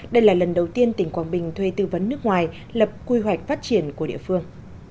đây là lần đầu tiên tỉnh quảng bình thuê tư vấn nước ngoài lập quy hoạch phát triển của địa phương